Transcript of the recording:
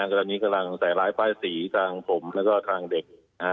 แล้วพวกเขากำลังใส่ร้ายปลายสีจากผมและทางเด็ก